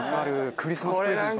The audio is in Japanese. クリスマスプレゼント。